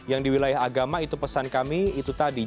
yang di wilayah agama itu pesan kami itu tadi